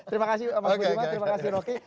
terima kasih mas budiman terima kasih rocky